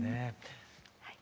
はい。